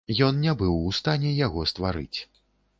Ён не быў у стане яго стварыць.